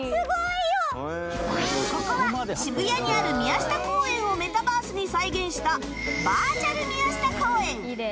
ここは渋谷にある宮下公園をメタバースに再現したバーチャル宮下公園